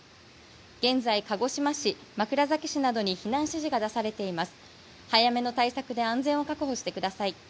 現在、鹿児島市、枕崎市などに避難指示が出されています。